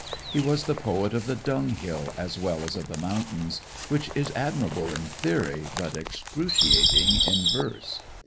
He was the poet of the dung hill as well as of the mountains, which is admirable in theory but excruciating in verse.